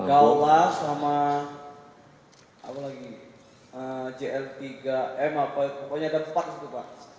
gaulah sama apa lagi jl tiga m apa pokoknya ada empat itu pak